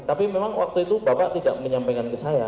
tapi memang waktu itu bapak tidak menyampaikan ke saya